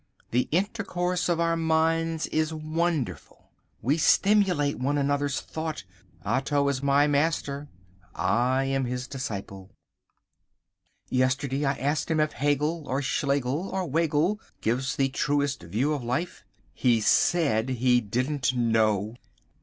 The intercourse of our minds is wonderful. We stimulate one another's thought. Otto is my master. I am his disciple! Yesterday I asked him if Hegel or Schlegel or Whegel gives the truest view of life. He said he didn't know!